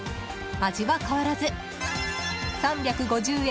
味は変わらず３５０円。